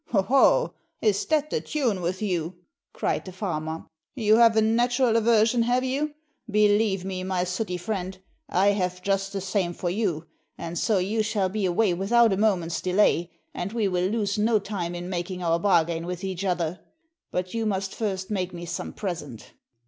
"Ho, ho! is that the tune with you?" cried the farmer. "You have a natural aversion have you? Believe me, my sooty friend, I have just the same for you, and so you shall be away without a moment's delay, and we will lose no time in making our bargain with each other. But you must first make me some present."